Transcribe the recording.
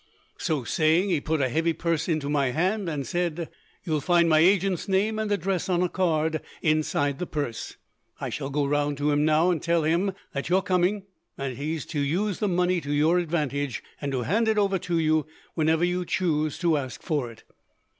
"So saying, he put a heavy purse into my hand, and said: "'You will find my agent's name and address on a card inside the purse. I shall go round to him, now, and tell him that you are coming, and that he is to use the money to your advantage, and to hand it over to you whenever you choose to ask for it.